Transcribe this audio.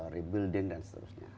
rebuilding dan seterusnya